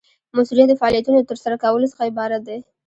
مؤثریت د فعالیتونو د ترسره کولو څخه عبارت دی.